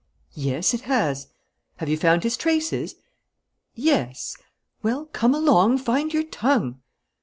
"Yes, it has." "Have you found his traces?" "Yes." "Well, come along, find your tongue!"